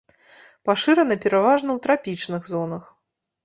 Пашыраны пераважна ў трапічных зонах.